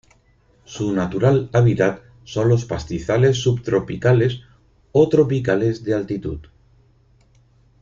Su natural hábitat son los pastizales subtropicales o tropicales de altitud.